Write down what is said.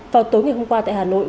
vào tối ngày hôm qua tại hà nội